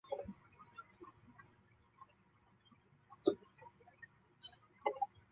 其仅存在于哥斯达黎加卡塔戈省的模式产地。